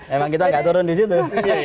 emang kita nggak turun di situ